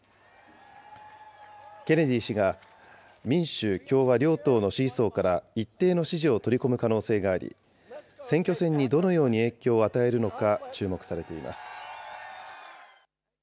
ケネディ氏が民主、共和両党の支持層から一定の支持を取り込む可能性があり、選挙戦にどのように影響を与えるのか注目されています。